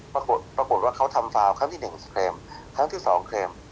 ปรากฏว่าเขาทำฟาวครั้งที่หนึ่งสเครมครั้งที่สองเครม